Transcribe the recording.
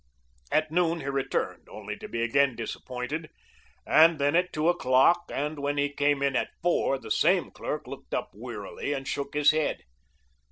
At noon he returned, only to be again disappointed, and then at two o'clock, and when he came in at four the same clerk looked up wearily and shook his head.